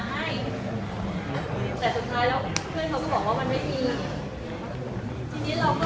ซึ่งตอนนั้นเขากำลังสั่งสรรค์กับเพื่อนอยู่นะคะ